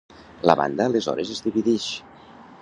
La banda aleshores es dividix.